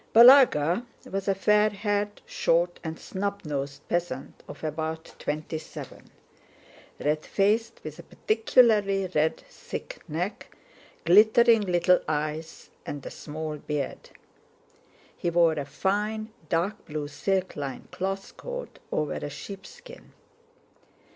Balagá was a fair haired, short, and snub nosed peasant of about twenty seven; red faced, with a particularly red thick neck, glittering little eyes, and a small beard. He wore a fine, dark blue, silk lined cloth coat over a sheepskin.